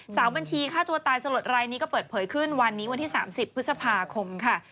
บัญชีฆ่าตัวตายสลดรายนี้ก็เปิดเผยขึ้นวันนี้วันที่๓๐พฤษภาคมค่ะ